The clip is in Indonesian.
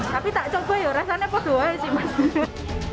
tapi tak coba ya rasanya pedo aja sih